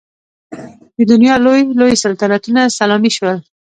د دنیا لوی لوی سلطنتونه سلامي شول.